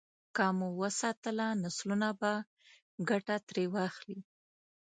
که مو وساتله، نسلونه به ګټه ترې واخلي.